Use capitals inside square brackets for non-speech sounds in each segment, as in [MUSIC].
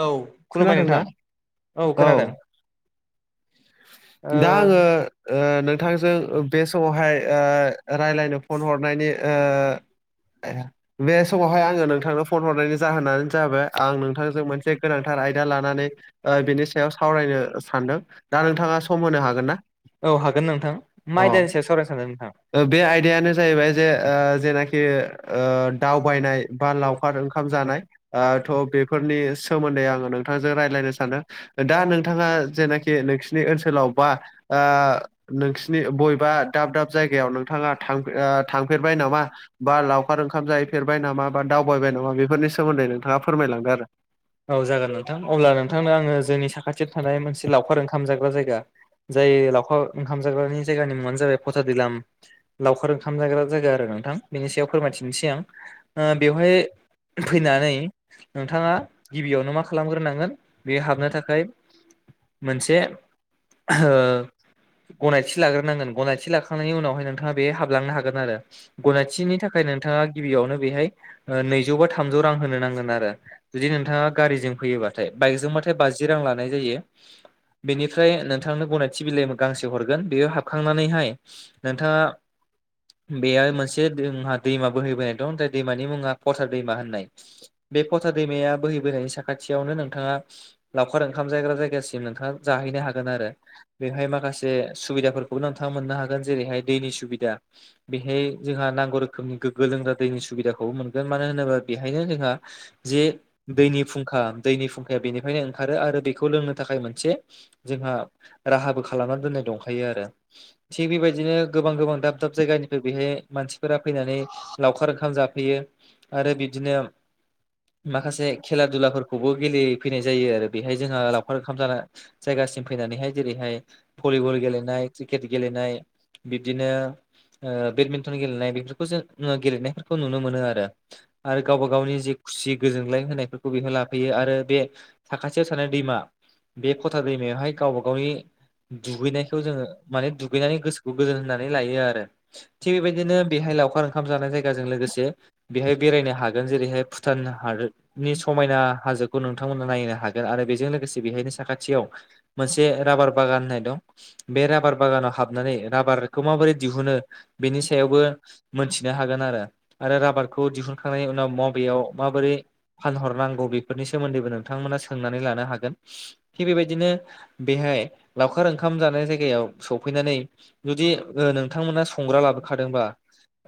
औ खुलुमबाय नोंथां खोनादोंना औ ओ दा आङो ओ नोंथांजों बे समावहाय ओ रायलायनो फन हरनायनि ओ बे समावहाय आङो नोंथांनो फन हरनायनि जाहोनानो जाबाय आं नोंथांजों मोनसे गोनांथार आयदा लानानै बेनि सायाव सावरायनो सानदों। दा नोंथाङा सम होनो हागोन ना? औ हागोन नोंथां। मा आयदानि अ सायाव सावरायनो सानदों नोंथां? बे आयदायानो जाहैबाय जे जेनाखि ओ दावबायनाय बा लावखार ओंखाम जानाय। ओ थ' बेफोरनि सोमोन्दै आङो नोंथांजों राय्लायनो सानदों दा नोंथाङा जेनाखि नोंसिोरनि ओनसोलाव बा ओ नोंसिनि बबेबा दाब दाब जायगायाव नोंथाङा थांफे-ओ-थांफेरबाय नामा? बा लावखार ओंखाम जाहैफेरबाय नामा बा दावबाय नामा बेफोरनि सोमोन्दै नोंथाङा फोरमायलांदों आरो। औ जागोन नोंथां अब्ला नोंथांनो आङो जोंनि साखाथियाव थानाय मोनसे लावखार ओंखाम जाग्रा जायगा जाय लावखार ओंखाम जाग्रानि जायगानि मुङानो जाबाय फथा दिलाम लावखार ओंखाम जाग्रा जायगा आरो नोंथां बेनि सायाव फोरमायथिनोसै आं। बेवहाय फैनानै नोंथाङा गिबियावनो मा खालामग्रोनांगोन बेयाव हाबनो थाखाय मोनसे ओ गनायथि लाग्रोनांगोन गनायथि लाखा- नायनि उनावहाय नोंथाङा बे हाबलांनो हागोन आरो गनायथिनि थाखाय नोंथाङा गिबियावनो बेहाय नैजौ बा थामजौ रां होनो नांगोन आरो। जुदि नोंथाङा गारिजों फैयोबाथाय बाइकजोंबाथाय बाजि रां लानाय जायो। बेनिफ्राय नोंथांनो गनायथि बिलाइ गांसे हरगोन बेयाव हाबखांनानैहाय नोंथाङा बेयो मोनसेहा दैमा दैमा बोहैबोनाय दं दैमानि मुङा फथा दैमा होननाय बे फथा दैमाया बोहैबोनायनि साखाथियावनो नोंथाङा लावखार ओंखाम जायग्रा जायगासिम नोंथाङा जाहैनो हागोन आरो। बेहाय माखासे सुबिदाफोरखौबो नोंथांङा मोननो हागोन जेरैहाय दैनि सुबिदा बेहाय जोंहा नांगौ रोखोमनि गो गो लोंग्रा दैनि सुबिदाखौ मोनगोन मानो होनोबा बेहायनो जोंहा जे दैनि फुं खा दैनि फुंखाया बेनिफ्रायनो ओंखारो आरो बेखौ लोंनो थाखाय मोनसे जोंहा राहाबो खालामना दोननाय दंखायो आरो। थिग बेबायदिनो गोबां गोबां दाब दाब जायगानिफ्राय बेहाय मानसिफोरा फैनानै लावखार ओंखाम जाफैयो आरो बिदिनो माखासे खेला दुलाफोर खौबो गेलेफैनाय जायो आरो बेहाय जोंहा लावखार ओंखाम जाना जायगासिम फैनानैहाय जेरैहाय भलिबल गेलेनाय क्रिकेट गेलेनाय बिब्दिनो ओ बेदमिन्टन गेलेनाय बेफोरखौ जों गेलेनायफोरखौ नुनो मोनो आरो। आरो गावबा गावनि जे खुसि गोजोनलाय होनायफोरखौ बेखौ लाफैयो आरो बे साखाथियाव थानाय दैमा बे फथा दैमायावहाय गावबा गावनि दुगैनायखौ जोङो माने दुगैनानै गोसोखौ गोजोन होननानै लायो आरो थिग बेबायदिनो बेहाय लावखार ओंखाम जानाय जायगाजों लोगोसे बेहाय बेरायनो हागोन जेरैहाय भुटान हादोर नि समायना हाजोखौ नोंथांमोना नायनो हागोन आरो बेजों लोगोसे बेहायनो साखाथियाव मोनसे राबार बागान होननाय दं बे राबार बागानाव हाबनानै राबार खौ माबोरै दिहुनो बेनि सायावबो मोनथिनो हागोन आरो आरो राबारखौ दिहुनखांनायनि उनाव मबेयाव माबोरै फानहरनांगौ बेफोरनि सोमोन्दैबो नोंथांमोना सोंनानै लानो हागोन। थिग बेबायदिनो बेहाय लावखार ओंखाम जानाय जायगायाव सफैनानै जुदि नोंथांमोना संग्रा लाबोखादोंबा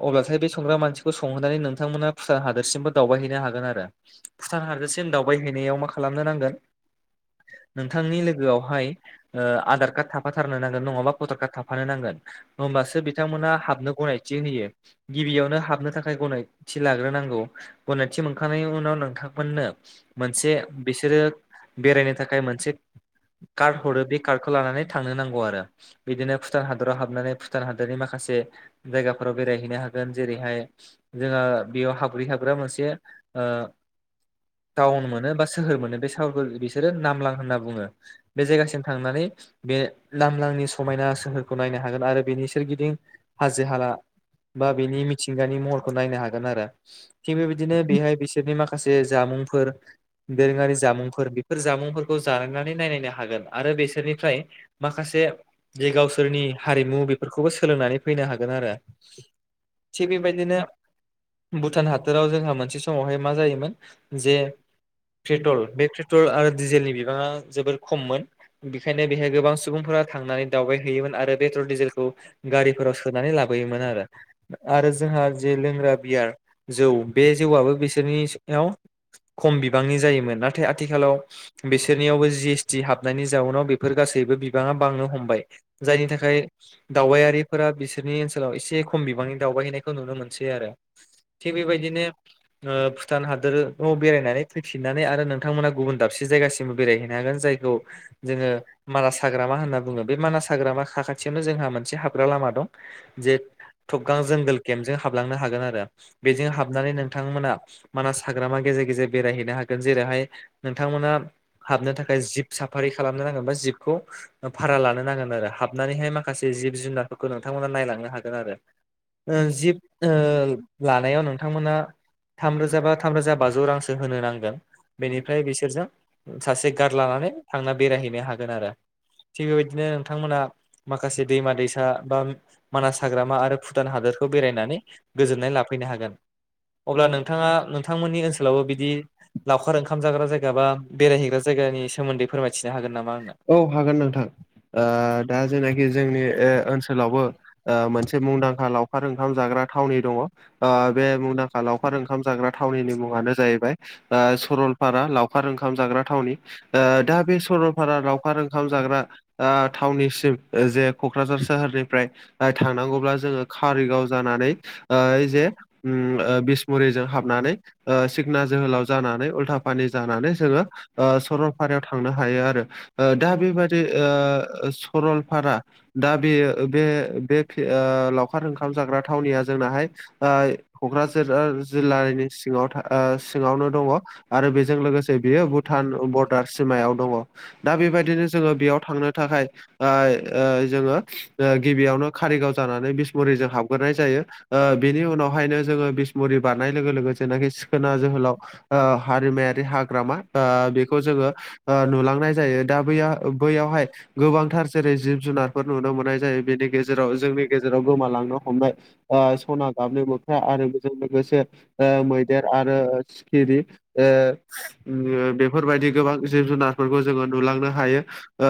अब्लाथाय बे संग्रा मानसिखौ संहोननानै नोंथांमोना भुटान हादोरसिमबो दावबायहैनो हागोन आरो। भुटान हादोरसिम दावबायहैनायाव मा खालामनो नांगोन [INAUDIBLE] नोंथांनि लोगोआवहाय ओ आधार कार्ड थाफाथारनो नांगोन नङाबा भटार कार्ड थाफानो नांगोन। होमबासो बिथांमोना हाबनो गनायथि होयो। गिबियावनो हाबनो थाखाय गनायथि लाग्रोनांगौ। गनायथि मोनखांनायनि उनाव नोंथांमोननो मोनसे बिसोरो बेरायनो थाखाय मोनसे कार्ड हरो बे कार्डखौ लानानै थांनो नांगौ आरो बिदिनो भुथान हादराव हाबनानै भुथान हादरनि माखासे जायगाफोर बेराय हैनो हागोन जेरैहाय जोंहा बेयाव हाब्रै हाब्रा मोनसे ओ टाउन मोनो बा सोहोर मोनो बे साहरखौ बिसोरो नामलां होनना बुंङो। बे जायगासिम थांनानै बे लामलांनि समायना सोहोरखौ नायनो हागोन आरो बेनि सोरगिदिं हाजो हाला बा बेनि मिथिंगानि महरखौ नायनो हागोन आरो थिग बेबायदिनो बेहाय बिसोरनि माखासे जामुंफोर दोरोंङारि जामुंफोर फोर जामुंफोरखौ जानायायनानै नायनायनो हागोन आरो बेसोरनिफ्राय माखासे जे गावसोरनि हारिमु बेफोरखौबो सोलोंनानै फैनो हागोन आरो। थिग बेबायदिनो भुटान हादोराव जोंहा मोनसे समावहाय मा जायोमोन जे पेट्रल बे पेट्रल आरो डिजेलनि बिबांङा जोबोर खममोन बेखायनो बेहाय गोबां सुबुंफोरा थांनानै दावबाय हैयोमोन आरोे पेट्रल डिजेल बेखौ गारिफोराव सोनानै लाबोयोमोन आरो आरो जोंहा जे लोंग्रा बियार जौ बे जौआबो बिसोरनि सायाव खम बिबांनि जायोमोन नाथाय आथिखालाव बिसोरनियावबो जि एसटि हाबनायनि जाउनाव बेफोर गासैबो बिबाङा बांनो हमबाय जायनि थाखाय दावबायारिफोरा बिसोरनि ओनसोलाव एसे खम बिबाङै दावबायहैनायखौ नुनो मोनसै आरो थिग बेबायदिनो ओ भुटान हादोरखौ बेरायनानै फैफिननानै आरो नोंथांमोना गुबुन दाबसे जायगासिम बेरायहैनो हागोन जायखौ जोङो मानास हाग्रामा होनना बुङो बे मानास हाग्रामा साखाथियावनो जोंहा मोनसे हाबग्रा लामा दं जे गोबां जोंगोल केम्पजों हाबलांनो हागोन आरो बेजों हाबनानै नोंथांमोना मानास हाग्रामा गेजेर गेजेर बेरायहैनो हागोन जेरैहाय नोंथांमोना हाबनो थाखाय जिब साफारि खालामनो नांगोन बा जिबखौ भारा लानो नांगोन आरो हाबनानैहाय माखासे जिब जुनारफोरखौ नोंथांमोना नायलांनो हागोन आरो ओ जिब ओ लानायाव नोंथांमोना थामरोजा बा थामरोजा बाजौ रां होनो नांगोन बेनिफ्राय बिसोरजों सासे गार्ड लानानै थांना बेरायहैनो हागोन आरो थिग बेबायदिनो नोंथांमोना माखासे दैमा दैसा बा मानास हाग्रामा आरो भुटान हादोरखौ बेरायनानै गोजोननाय लाफैनो हागोन अब्ला नोंथाङा नोंथांमोननि ओनसोलावबो बिदि लावखार ओंखाम जाग्रा जायगा बा बेरायहैग्रा जायगानि सोमोन्दै फोरमायथिनो हागोन नामा आंनो? औ हागोन नोंथां दा जेनाखि जोंनि ओ ओनसोलावबो ओ मोनसे मुंदांखा लावखार ओंखाम जाग्रा थावनि दङ ओ बे मुंदांखा लावखार ओंखाम जाग्रा थावनि मुङानो जाहैबाय ओ सरलपारा लाव लावखार ओंखाम जाग्रा थावनि ओ दा बे सरलपारा लावखार ओंखाम जाग्रा ओ थावनिसिम जे क'क्राझार सोहोरनिफ्राय थांनांगौब्ला जोङो कारिगाव जानानै ओ जे बिसमुरिजों हाबनानै ओ सिखना जोहोलाव जानानै उल्था पानि जानानै जोङो ओ सरलपारायाव थांनो हायो आरो ओ दा बेबादि ओ सरलपारा दा बे बे बे ओ लावखार ओंखाम जाग्रा थावनिया जोंनाहाय आ क'क्राझार ओ जिल्लानि सिङाव सिङावनो दङ आरो बेजों लोगोसे बियो भुटान बर्डार सिमायाव दङ दा बेबायदिनो जोङो बेयाव थांनो थाखाय आ आइ जोङो ओ गिबियावनो कारिगाव जानानै बिसमुरिजों हाबग्रोनाय जायो ओ बिनि उनावहायनो जोङो बिसमुरि बारनाय लोगो लोगोसे जेनाखि सिखोना जोहोलाव ओ हारिमायारि हाग्रामा ओ बेखौ जोङो नुलां नाय जायो दा बैया बैयावहाय गोबांथार जेरै जिब जुनारफोर नुनो मोननाय जायो बेनि गेजेराव जोंनि गेजेराव गोमालांनो हमनाय ओ सना गाबनि मोख्रा आरो बेजों लोगोसे ओ मैदेर आरो सिखिरि ओ ओम बेफोरबायदि गोबां जिब जुनार फोरखौ जोङो नुलांनो हायो ओ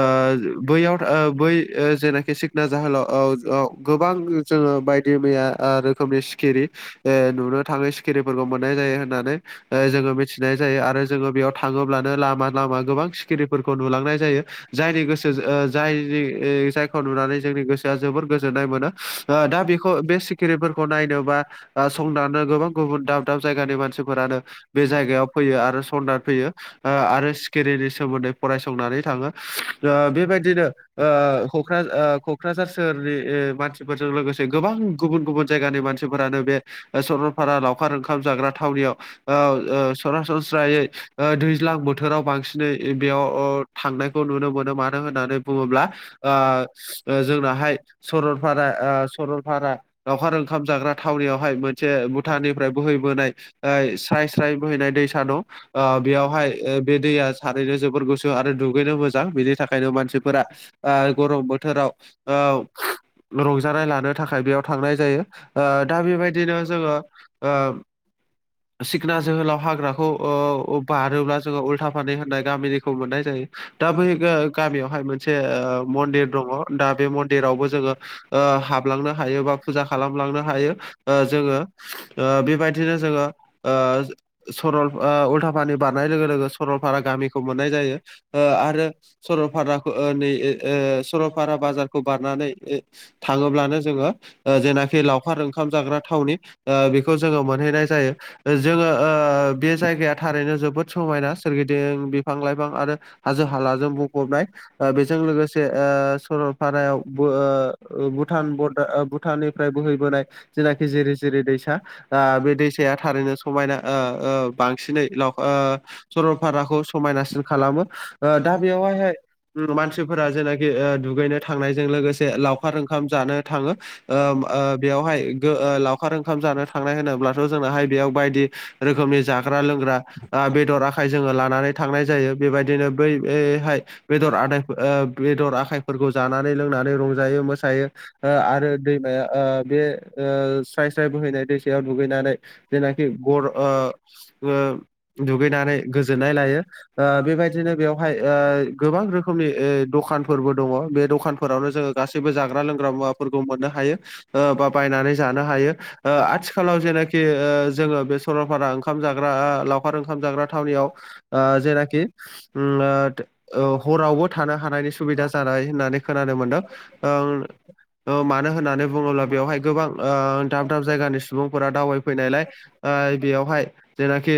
बैयाव बै ओ जेनाखि सि ना जाहोलाव औ औ गोबां जोङो बायदि मैया रोखोमनि सिखिरि ए नुनो थाङो सिखिरिफोरखौ मोननाय जायो होननानै जोङो मिथिनाय जायो आरो जोङो बेयाव थाङोब्लानो लामा लामा गोबां सिखिरिफोरखौ नुलांनाय जायो जायनि गोसो ओ जायनि जायखौ नुनानै जोंनि गोसोआ जोबोर गोजोननाय मोनो दा बेखौ बे सिखिरिफोरखौ नायनो बा संनो गोबां गुबुन दाब दाब जायगानि मानसिफोरानो बे जायगायाव फैयो आरो संना फैयो ओ आरो सिकिरिनि सोमोन्दै फरायसंनानै थाङो ओ बेबायदिनो ओ क'क्राझार ओ सोहोरनि मानसिफोरजों लोगोसे गोबां गुबुन गुबुन जायगानि मानसिफोरानो बे सरलपारा लावखार ओंखाम जाग्रा थावनियाव ओ सरासनस्रायै दैज्लां बोथोराव बांसिनै बेयाव थांनायखौ नुनो मोनो मानो होननानै बुङोब्ला ओ जोंनाहाय सरलपारा सरलपारा लावखार ओंखाम जाग्रा थावनियावहाय मोनसे भुटाननिफ्राय बोहैबोनाय स्राय स्राय बोहैनाय दैसा दं बेयावहाय बे दैया थारैनो जोबोर गोसो आरो दुगैनो मोजां बिनि थाखायनो मानसिफोरा ओ गरम बोथोराव ओ रंजानाय लानो थाखाय बेयाव थांनाय जायो ओ दा बेबायदिनो जोङो ओ सिखोना जोहोलाव हाग्राखौ ओ बारोब्ला जोङो उल्था फानि गामिनिखौ मोननाय जायो। दा बै गामियावहाय मोनसे ओ मन्दिर दङ दा बे मन्दिरावबो जोङो ओ हाबलांनो हायो बा फुजा खालामलांनो हायो। जोङो बेबायदिनो जोङो ओ सरल उल्थाफानि बारनाय लोगो लोगो सरलपारा गामिखौ मोननाय जायो आरो सरलपाराखौ ओ नै सरलपारा बाजारखौ बारनानै थाङोब्लानो जोङो जेनाखि लावखार ओंखाम जाग्रा थावनि बेखौ जोङो मोनहैनाय जायो। जोङो ओ बे जायगाया थारैनो जोबोद समायना। सोरगिदिं बिफां लाइफां आरो हाजो हालाजों बुंफबनाय। बेजों लोगोसे ओ सरलपारायाव ओ भुटान बरदार भुटाननिफ्राय बोहैबोनाय जेनाखि जिरि जिरि दैसा दा बे दैसाया थारैनो समायना ओ बांसिनै लाव ओ सरलपाराखौ समायनासिन खालामो दा बेवहायहाय मानसिफोरा जेना दुगैनो थांनायजों लोगोसे लावखार ओंखाम जानो थाङो। ओ बेयावहाय लावखार ओंखाम जानो थांनाय होनोब्लाथ' जोंनाहाय बेयाव बायदि रोखोमनि जाग्रा लोंग्रा बेदर आ खाइ जोङो लानानै थांनाय जायो बेबायदिनो बैहाय बेदर आदाय बेदर आखाइफोरखौ जानानै लोंनानै रंजायो मोसायो। आरो दैमाया ओ बे स्राय स्राय बोहैनाय दैसायाव दुगैनानै जेनाखि गर ओ ओ दुगैनानै गोजोननाय लायो। ओ बेबायदिनो बेवहाय गोबां रोखोमनि दखानफोरबो दङ बे दखान फोरावनो जोङो गासैबो जाग्रा लोंग्रा मुवाफोरखौ मोननो हायो बा बायनानै जानो हायो। आथिखालाव जेनाखि जोङो बे सरलपारा ओंखाम जाग्रा लावखार ओंखाम जाग्रा थावनियाव ओ जेनाखि ओम हरावबो थानो हानायनि सुबिदा जानाय होननानै खोनानो मोनदों। ओं मानो होननानै बुङोब्ला बेवहाय गोबां ओ दाब दाब जायगानि सुबुंफोरा दावबाय ओ फैनायलाय बेयावहाय जेनाखि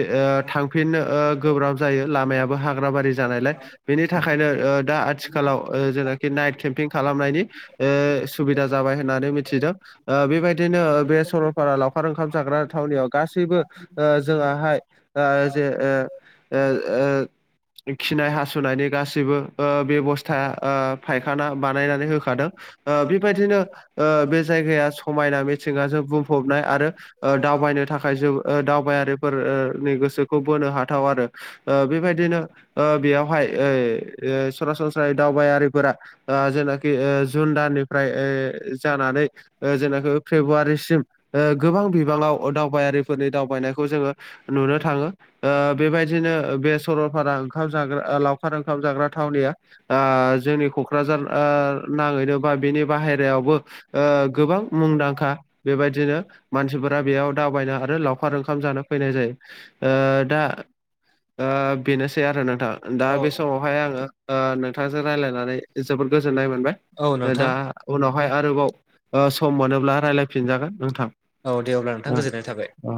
फिनो गोब्राब जायो लामायाबो हाग्रा बारि जानायलाय बेनि थाखायनो दा आथिखालाव जेनाखि नाइट केम्पिं खालामनायनि ए सुबिदा जाबाय होननानै मिथिदों ओ बेबायदिनो बे सरलपारा लावखार ओंखाम जाग्रा थावनियाव गासैबो ओ जोआहाय जा जे ओ ओ ओ खिनाय हासुनायनि गासैबो ओ बेब'स्था ओ फायखाना बानायनानै होखादों ओ बेबायदिनो ओ बे जायगाया समायना मिथिंगाजों बुंफबनाय आरो ओ दावबायनो थाखाय जोब ओ दावबायारिफोरनि गोसोखौ बोनो हाथाव आरो ओ बेबायदिनो बेयावहाय सरासनस्रायै दावबायारिफोरा जेनाखि जुन दाननिफ्राय ओ जानानै जेनाखि फेब्रुवारिसिम गोबां बिबाङाव दावबायारिफोरनि दावबायनायखौ जोङो नुनो थाङो। ओ बेबायदिनो बे सरलपारा ओंखाम जाग्रा लावखार ओंखाम जाग्रा थावनिया ओ जोंनि क'क्राझार ओ नाङैनो बा बिनि बाहेरायावबो ओ गोबां मुंदांखा बेबायदिनो मानसिफोरा बेयाव दावबायनो आरो लावखार ओंखाम जानो फैनाय जायो। ओ दा ओ बेनोसै आरो नोंथां दा बे समावहाय आंङो ओ नोंथांजों रायज्लायनानै जोबोर गोजोन्नाय औ मोनबाय। नोंथां दा उनावहाय आरोबाव ओ सम मोनोब्ला रायलायफिनजागोन नोंथां। औ दे अब्ला नोंथां ओ गोजोननाय थाबाय। ओ